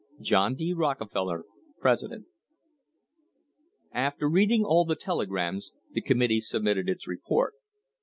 John D. Rockefeller, President. After reading all the telegrams the committee submitted its report.